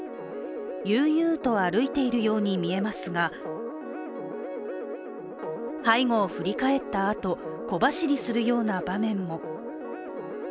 悠々と歩いているように見えますが、背後を振り返ったあと、小走りするような場面も。